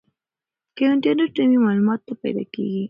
که انټرنیټ نه وي معلومات نه پیدا کیږي.